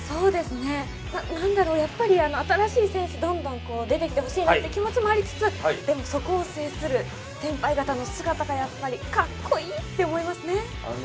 なんだろう、新しい選手がどんどん出てきてほしいなという気持ちもありつつ、そこを制する先輩方の姿がカッコいいって思いますね。